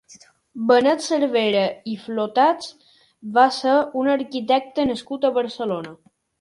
Benet Cervera i Flotats va ser un arquitecte nascut a Barcelona.